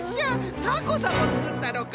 タコさんもつくったのか。